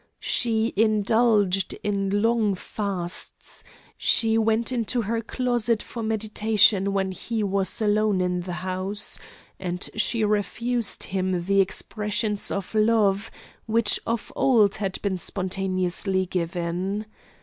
She indulged in long fasts; she went into her closet for meditation, when he was alone in the house; and she refused him the expressions of love which of old had been spontaneously given.